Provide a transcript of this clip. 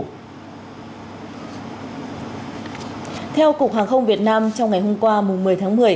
theo cục hàng không việt nam trong ngày hôm qua một mươi tháng một mươi